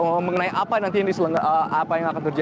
oh menghinap di sana